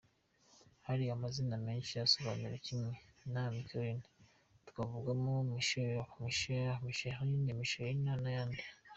Hari amazina menshi asobanura kimwe na Micheline ,twavugamo Michele , Michela Michelline , Michelina na’ayandi.